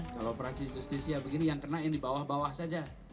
kalau operasi justisnya begini yang kena ini bawah bawah saja